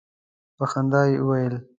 په خندا یې وویل.